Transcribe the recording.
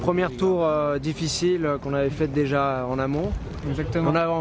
ini adalah perjalanan pertama yang sulit yang kita lakukan sebelumnya